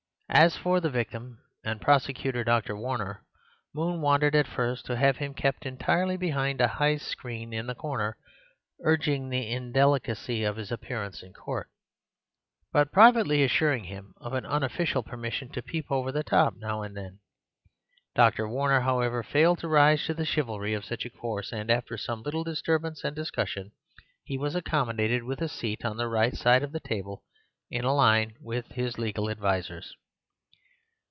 As for the victim and prosecutor, Dr. Warner, Moon wanted at first to have him kept entirely behind a high screen in the corner, urging the indelicacy of his appearance in court, but privately assuring him of an unofficial permission to peep over the top now and then. Dr. Warner, however, failed to rise to the chivalry of such a course, and after some little disturbance and discussion he was accommodated with a seat on the right side of the table in a line with his legal advisers.